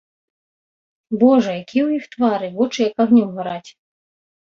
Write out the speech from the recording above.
Божа, якія ў іх твары, вочы як агнём гараць.